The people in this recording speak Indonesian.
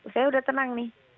saya udah tenang nih